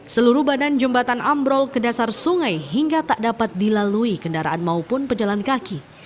seluruh badan jembatan ambrol ke dasar sungai hingga tak dapat dilalui kendaraan maupun pejalan kaki